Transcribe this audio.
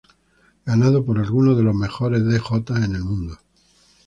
Ganado por algunos de los mejores Dj en el mundo.